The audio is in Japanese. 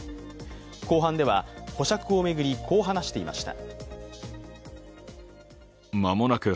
公判では、保釈を巡りこう話していました。